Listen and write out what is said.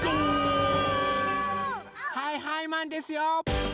はいはいマンですよ！